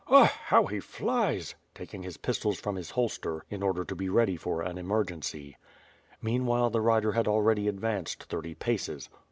Eh! how he flies," taking his pistols from the holster in order to be ready for an emergency. Meanwhile the rider had already advanced thirty paces.